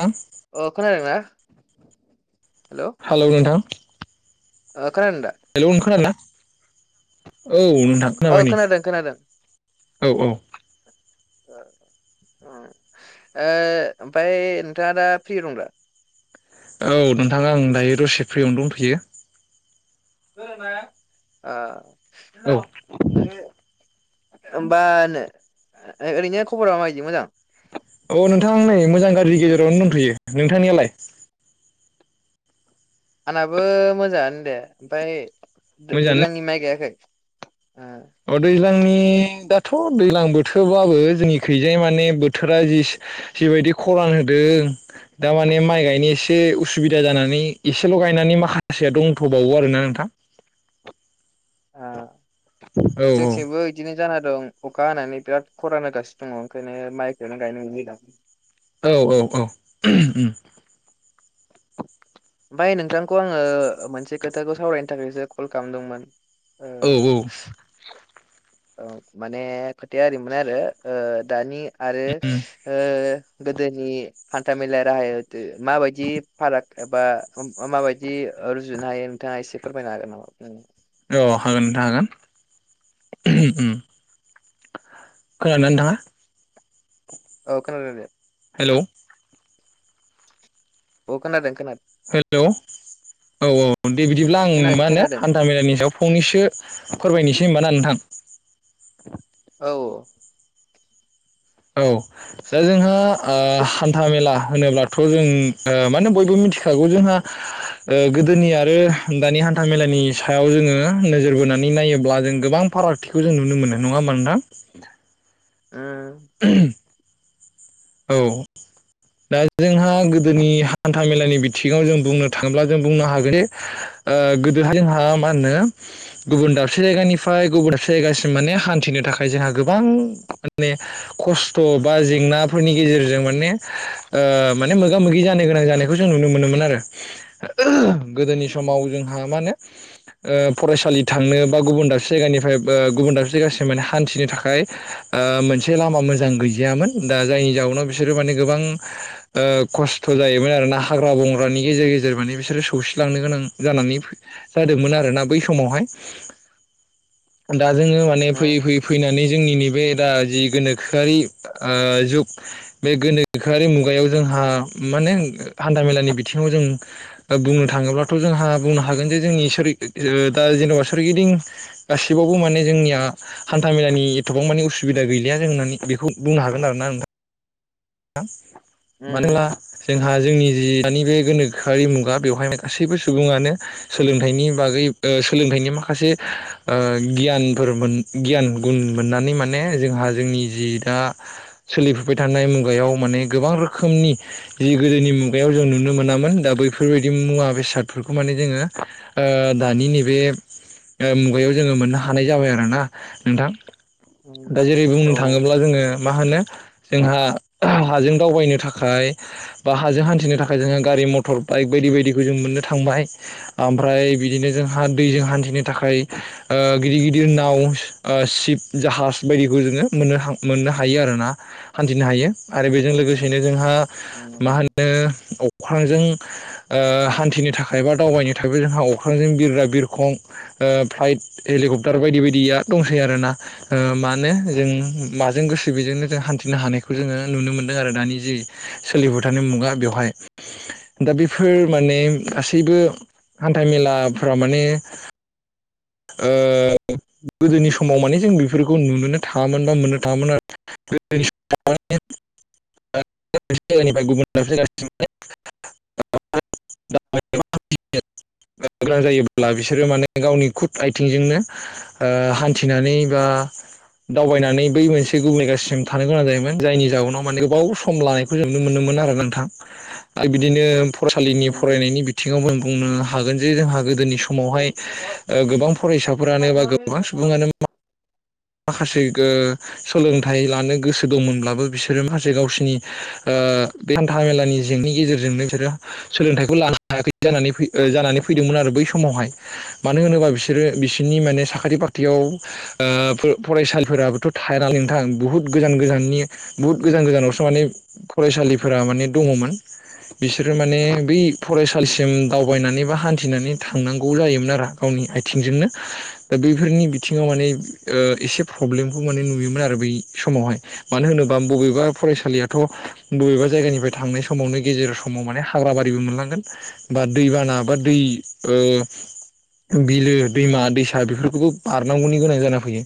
थां अ खोनादोंना हेल' ओ हेलौ नोंथां खोनादों दा हेलौ नों खोनादोंना औ नोंथां ओ खोनाबाय नै खोनादों खोनादों औ औ [inaudible] ओओमफाय नोंथाङा दा फ्रि दं दा? औ नोंथाङा आं दायो दसे फ्रियावनो दंथ'यो [unintelligible] ओ [unintelligible] औ होमबानो ओरैनो खबरा माबायदि मोजां? औ नोंथां नै मोजां गारिनि गेजेरावनो दंथ'यो नोंथांनियालाय आंनाबो मोजाङानो दे ।ओमफ्राय मोजाङानो दैज्लांनि माइ गायाखै? ओ अ दैज्लांनि दाथ' दैलां बोथोरबाबो जोंनि खैजाय माने बोथोराबाय जि बायदि खरान होदों दा माने माइ गायनो एसे उसुबिदा जानानै एसेल' गायनानै माखासेया दं दथ' बुंथ'बावो आरोना नोंथां ओ औ औ जोंसथिंबो इदिनो जाना दं ओं अखा हानानै बिराद खरान होगासिनो दङ ओंखायनो माइखौनो गायनो मोनै दं औ औ औ आमफ्राय नोंथांखौ आङो मोनसे खोथाखौ सावरायनो थाखायसो कल खालामदोंमोन औ ओ औ औ माने खोथाया ओरैमोन आरो दानि आरो गोदोनि हान्था मेलाया राहाय दि माबायदि फाराग एबा माबायदि रुजुनो हायो नोंथाङा एसे फोरमायनो हागोन नामा? औ हागोन नोंथां हागोन। [unintelligible] खनादोंना नाङा औ खोनादों दे हेलौ अ खोनादों खोनादों हेलौ औ औ दे बिदिब्ला आं खोनादों मा होनो खोनादों हान्था मेलानि सायाव फंनैसो फोरमायनोसै सै होनबाना नोंथां औ औ दा जोंहा ओ हान्था मेला होनोब्लाथ' जों मानो बयबो मिथिखागौ जोंहा ओ गोदोनि आरो दानि हान्था मेलानि सायाव जोङो नोजोर बोनानै नायोब्ला जों गोबां फारागथिखौ जों नुनो मोनो नङा मा नोंथां [inaudible] उम [unintelligible] औ दा जोंहा गोदोनि हान्था मेलानि बिथिङाव जों बुंनो थाङोब्ला जों बुंनो हागोने ओ गोदोहाय जोंहा मा होनो गुबुन दाबसे जायगानिफ्राय गुबुन दाबसे जायगासिम माने हान्थिनो नि थाखाय जोंहा गोबां माने खस्थ' बा जेंना फोरनि गेजेरजों माने ओ माने मोगा मोगि जानो गोनां जानायखौ जों नुनो मोनोमोन आरो [unintelligible] गोदोनि समाव जोंहा मा होनो ओ फरायसालि थांनो बा गुबुन दाबसे जायगानिफ्राय गुबुन दाबसे जायगासिम माने हान्थिनो थाखाय ओ मोनसे लामा मोजां गैजायामोन दा जायनि जाउनाव बिसोरो माने गोबां ओ खस्थ' जायोमोन आरोना हाग्रा बंग्रानि गेजेर गेजेराव माने बिसोरो सौसिलांनो गोनां जानानै जादोंमोन आरोना बै समावहाय दा जोङो माने फैयै उम फैयै फैनानै जोंनि नैबे दा जि गोनोखोआरि ओ जुग बे गोनोखोआरि मुगायाव जोंहा माने हान्था मेलानि बिथिङाव जों बुंनो थाङोब्लाथ' जोंहा बुंनो हागोन जे जोंनि सोर दा जेनेबा सोरगिदिं गासिबावबो माने जोंनिया हान्था मेलानि एथबां मानि उसुबिदा गैलिया जोंनानै बेखौ बुंनो हागोन आरो ना नोंथां मानोना उम जोंहा जोंनि जि, दानि बे गोनोखोआरि मुगा बेवहाय गासैबो सुबुङानो सोलोंथाइनि बागै सोलोंथाइनि माखासे माखासे ओ गियानफोर मोन गियान गुन मोननानै माने जोंहा जोंनि जि दा सोलिफुबाय थानाय मुं मुगायाव माने गोबां रोखोमनि जि गोदोनि मुगायाव जों नुनो मोनामोन दा बैफोरबायदि मुवा बेस बेसादफोरखौ माने जोङो ओ दानि नैबे, ओ मुगायाव जोङो मोननो हानाय जाबाय आरोना नोंथां दा उम जेरै बुंनो औ थाङोब्ला जोङो मा होनो जोंहा, हाजों दावबायनो थाखाय बा हाजों हान्थिनो थाखाय जोङो गारि मटर बाइक बायदि बायदिखौ जों मोनो, मोननो थांबाय बिदिनो जोंहा दैजों हान्थिनो थाखाय गिदिर गिदिर, [unintelligible] सिफ जाहाज बायदिखौ जोङो मोननो हायो आरोना हान्थिनो हायो। आरो बेजों उम लोगोसेनो जोंहा मा उम होनो अख्रांजों ओ हान्थि, नि थाखाय बा दावबायनो थाखायबो जोंहा अख्रांजों बिरग्रा बिरखं फ्लाइट हेलिकप्टार बायदि बायदि, बियाद दंसै आरो ना मानो जों माजों गोसो बेजोंनो जों हान्थिनो हानायखौ जोङो, नुनो मोनदों आरो दानि जि सोलिफोथानायनि मुगा बेवहाय दा बेफोर माने गासैबो हान्थामेलाफ्रा माने ओ गोदोनि समाव माने जों बेफोरखौ नुनोनो थाङामोन बा मोननो थाङामोन आरो [unintelligible] [unintelligible] गोनां जायोब्ला बिसोरो माने गावनि खुद आइथिंजोंनो हान्थिनानै बा दावबायनानै बै मोनसे गुबै गासिम थानो गोनां जायोमोन जायनि जाहनाव माने गोबाव सम लानायखौ जों नुनोमोनो मोन इनो आरो नोंथां आरो बिदिनो फरायसालिनि फरायनायनि उम बिथिङावबो बुंनो हागोन जे जोंहा गोदोनि समावहाय गोबां फरायसाफोरानो बा गोबां सुबुङानो मा माखासे ओ- सोलोंथाइ लानो गोसो दंमोनब्लाबो बिसोरो माखासे गावसिनि ओ - ओ हान्था मेलानि जेंनि गेजेरजोंनो बिसोरो सोलोंथाइखौ लानो हायाखै जानानै फै फैदों आरो बै समावहाय मानो होनोबा बिसोरो बिसोरनि माने साखारि फाखथियाव ओ- फरायसालिफोराबोथ' थाया नालाय नोंथां बुहुद गोजान गोजाननि बुहुद गोजान गोजानावसो माने फरायसालिफोरा माने दङमोन, बिसोरो माने बै फरायसालिसिम दावबायनानै बा हान्थिनानै थांनांगौ जायोमोन आरो गावनि आइथिंजोंनो बैफोरनि बिथिङाव माने ओ- एसे प्रब्लेमखौ माने नुयोमोन आरो बै समावहाय मानो होनोबा बबेबा फरायसालियाथ' बबेबा जायगानिफ्राय थांनाय समावनो गेजेर जेराव समाव माने हाग्रा बारिबो मोनलांगोन बा- दै बाना बा दै ओ बिलो दैमा दैसा बेफोरखौबो बारनांगौनि गोनां जाना फैयो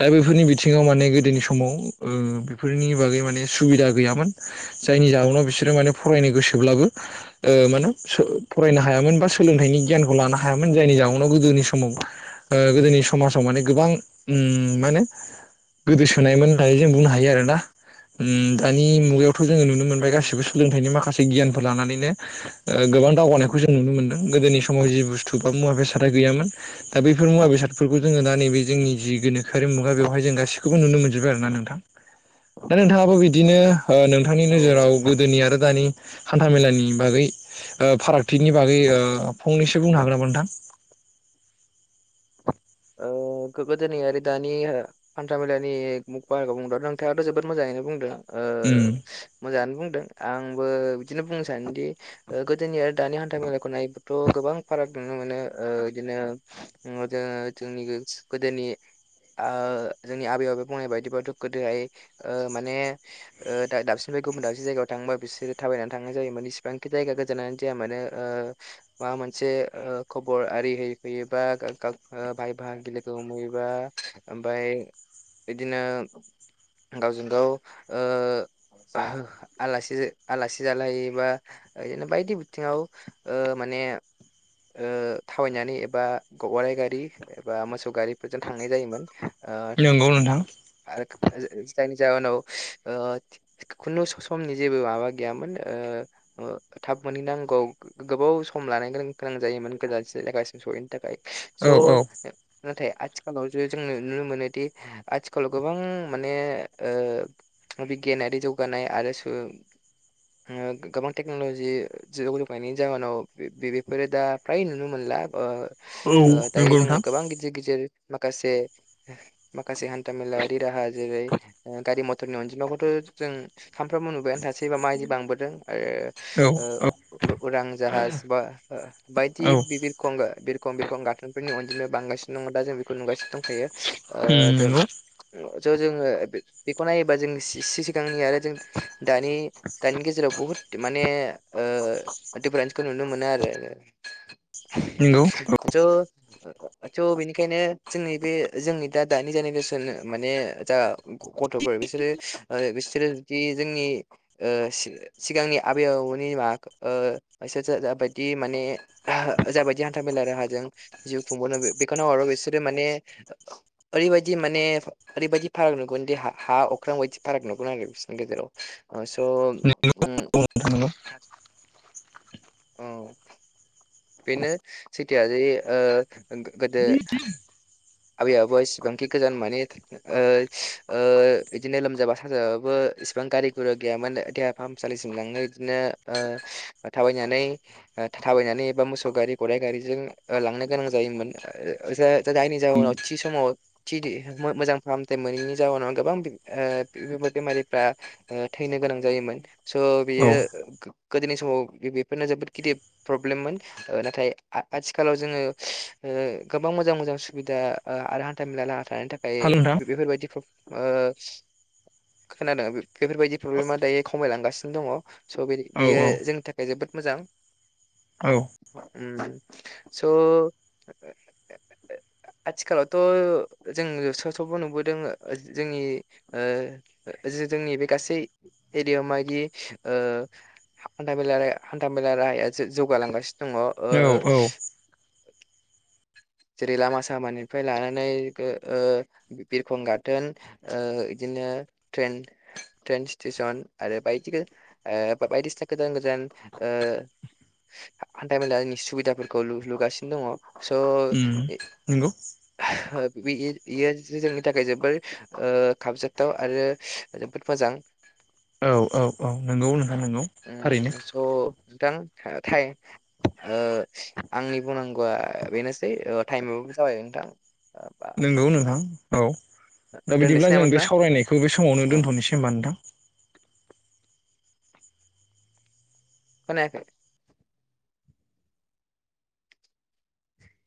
दा बेफोरनि बिथिङाव माने, गोदोनि समाव ओ- बेफोरनि बागै माने सुबिदा गैयामोन जायनि जउनाव बिसोरो माने फरायनो गोसोब्लाबो ओ मा नाम फरायनो हायामोन बा सोलोंथाइनि गियानखौ लानो हायामोन जायनि [unintelligible] साहननाव गोदोनि समाव ओ गोदोनि समाजाव माने गोबां उम माने, गोदोसोनायमोन होननानै जों बुंनो हायो आरोना उम दानि मुगायाव खौ जोङो नुनो मोनबाय उम गासिबो सोलोंथाइनि माखासे गियान, लानानैनो ओ- गोबां दावगानायखौ जों नुनो मोनदों गोदोनि समाव जि- बुस्थु बा- मुवा बेसाद, सोलोंथाइ दा बैफोर मुवा बेादफोरखौ जोङो दा नैबे जोंनि जि गोनोआरि मुगा बेवहाय जों गासिखौबो नुनो मोनजोबो आरोना नोंथां दा नोंथाङाबो बिदिनो, ओ नोंथांनि औ नोजोराव गोदोनि आरो दानि, हान्था मेलानि बागै ओ फारागथिनि बागै ओ फंनैसो बुंनो हागोन नामा नोंथां? ओ गोदोनि आरो दानि हान्था मेलानि [unintelligible] नोंथाङाथ' जोबोद मोजां आनो बुंदों ओ उम मोजाङानो बुंदों आंबो बिदिनो बुंनो सानोदि ओ गोदोनिया दानि हान्था मेलाायखौ नायोबाथ' गोबां फाराग नुनो मोनो ओ इदिनो जो जोंनि गो- गोदोनि ओ जोंनि आबै आबै बुंनाय बायदिबथ' गोदोहाय ओ माने दाबसिन गुबुन दांसे जायगायाव थांङोबा बिसोर थाबायनानै थांनाय जायोमोन इसेबांखि जायगा गोजाननाननो जाया मोनो ओ- मोनसे खबर ओ [unintelligible] आरि हो फैयोबा ओ बाय बाहाग लोगो हमहयोबा ओमफ्राय बिदिनो गावजों गाव ओ आलासि आलासि जालायोबा बिदिनो बायदि बिथिङाव ओ माने माने ओ थावायनानै एबा अराय गारि एबा मोसौ गारिफोरजों थांनाय जायोमोन ओ नंगौ नोंथां आरो जायनि जउोनाव ओ खुनु समनि जेबो माबा गैयामोन ओ थाब मोनहैनांगौ गो- गोबाव सम लानाय गो -गोनां जायोमोन गोजान जायगासिम सहैनो थाखाय स' औ औ नाथाय आथिखालाव जे जोंङो नुनो मोनोदि आथिखालाव गोबां माने ओ बिगियानारि जौगानाय आरो सो ओ गोबां टेक्न'लजि जौ- जौानायनायनि जाहोनाव बे- बेफोरो दा फ्राय नुनो मोनला ओ औ ओ दायो नंगौ जोंङो नोंथां गेजेर माखासे माखासे हान्थाामेलाारि राहा जेरै गारि मथरनि अनायै अनजिमाखौथ' जों सानफ्रामबो नुबायानो थासैबा मायदि बांबोदों औ आरो ओ उरां जाहाज बा ओ बायदि औ बिबिरखंगार बि खमब [unintelligible] रखं गाथोनफोरनि अनजिायाव बांगासिनो दङ दा जों बेखौ नुगासिनो दंखायो उम ओ- नंगौ ज' जोङो बे बेखौ नायोबा जों सि सिगांनि आरो जों दानि दानि गेजेराव बुहुत माने ओ मानेफारेन्स नुनो मोनो आरो नंगौ [inaudible] थ' बेनिखायनो जोंनि बे जोंनि दा दानि जेनेरेसन माने जा खथ'फो बिसोरो आरो बिसोरोदि जोंनि ओ सि-सिगांनि आबै आबौनि माबा ओ बिसोर जाबायदि माने जाबायदि हान्था मेला राहाजों जिउ खुंबोननो दिखांना हरो बिसोरो माने ओरैबायदि माने ओरैबायदि फाराग नुगोनदि हा हा अ अख्रां बायदि फाराग नुगोन आरो बिसोनि गेजेराव ओ स' ओम नंगौ नोंथां नंगौ थास अ बिनो सैथोआ जे ओ ओं गोदो आबै आबो एसिबांखि गोजान माने बिदिनो लोमजाबा साजाबाबो इसिबां गारि गुरु गैयामोन देहा फाहामसालिसिम लङो बिदिनो थाबायनानै थाबायनानै बा मोसौ गारि गदाइ गारिजों लांनो गोनां जायोमोन जायनि जाहोनाव थि समाव मोजां फाहामथाय मोनैनि जाउनाव गोबां बेमारिफ्रा थैनो नो गोनां जायोमोन स औ बेयो गोदोनि समाव बेफोरनो जोबोद गिदिर प्रब्लेममोन ओ नाथाय आथिखालाव जोङो गोबां मोजां मोजां सुबिदा आरो हान्था मेला ल थानायनि थाखाय हेल' नोंथां बेफोरबायदि खोनादों बेफोरबायदि प्रब्लेमा दायो खमायलांगासिनो दङ स' बे औ बेयो औ जोंनि थाखाय जोबोद औ मोजां स' [inaudible] आथिखालावथ' जों स सबो नुबोदों ओ जोंनि ओ जोंनि बे गासै एरियाायाव मायदि हान्था मेला राहाया हान्था मेला राहाया जौ औ औ जेरै लामा सामानिफ्राय लानानै बिरखं गाथोन बिदि दिनो ट्रेन ट्रेन स्टेसन आरो बायदिगो बायदिसिना गोजान गोदान ओ हान्था मेलानि सुबिदाफोरखौ लु-लुगासिनो दङ स' उम नंगौ बे-बेयो जोंनि थाखाय जोबोर खाबजाथाथाव आरो जोबोद मोजां औ औ औ नंगौ नोंथां नंगौ थारैनो। थां था थाय ओ आंनि बुंनांगौआ बेनोस सै ओ टाइमाबो जाबाय नोंथां ओ दे। नोंगौ नोंथां औ। दा दोननोसै बिदिब्ला नामा जों बे नोंथां सावरायनायखौ बे समावनो अ, दोन्थ'नोसै दे। होनबा नोंथां। खोनायाखै